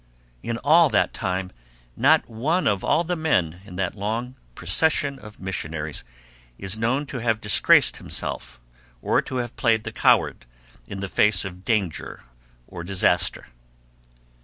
In all that time not one of all the men in that long procession of missionaries is known to have disgraced himself or to have played the coward in the face of danger or disaster.